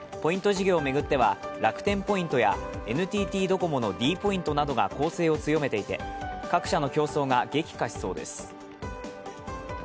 事業を巡っては楽天ポイントやＮＴＴドコモのｄポイントなどが攻勢を強めていて各社の競争が激化しそうです。